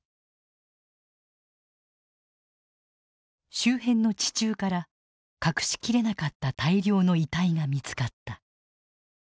周辺の地中から隠し切れなかった大量の遺体が見つかった。